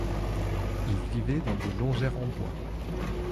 Ils vivaient dans des longères en bois.